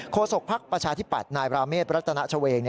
โคสกพักประชาธิปัตย์นายบราเมฆประตนชาวเอง